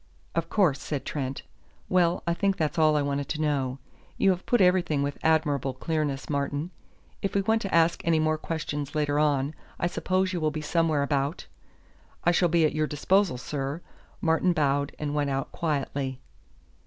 "Of course," said Trent. "Well, I think that's all I wanted to know. You have put everything with admirable clearness, Martin. If we want to ask any more questions later on, I suppose you will be somewhere about." "I shall be at your disposal, sir." Martin bowed and went out quietly.